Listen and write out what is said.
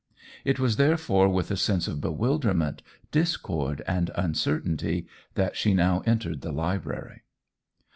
It was therefore with a sense of bewilderment, discord, and uncertainty, that she now entered the library.